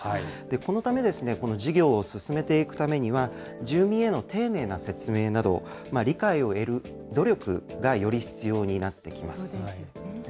このため事業を進めていくためには、住民への丁寧な説明など、理解を得る努力がより必要になってきます。